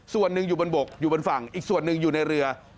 ส่วนหนึ่งอยู่บนบกอยู่บนฝั่งอีกส่วนหนึ่งอยู่ในเรือ